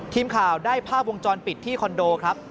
ทีมข่าวได้ภาพวงจรปิดที่คอนโดครับ